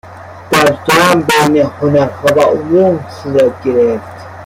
در جمع بین هنرها و علوم صورت گرفت